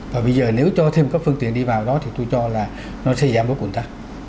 và bây giờ nếu cho thêm các phương tiện đi vào đó thì tôi cho là nó sẽ giảm bất quẩn ta